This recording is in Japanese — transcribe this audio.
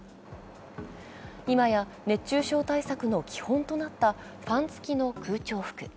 今や熱中症対策の基本となったファン付きの空調服。